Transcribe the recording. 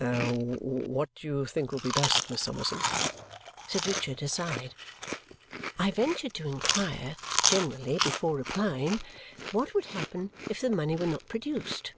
"What do you think will be best, Miss Summerson?" said Richard, aside. I ventured to inquire, generally, before replying, what would happen if the money were not produced.